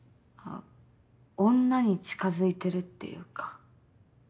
あ女に近づいてるっていうか。